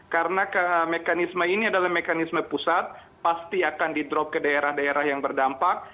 karena mekanisme ini adalah mekanisme pusat pasti akan di drop ke daerah daerah yang berdampak